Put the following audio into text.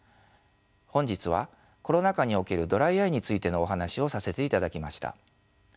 本日はコロナ禍におけるドライアイについてのお話をさせていただきました。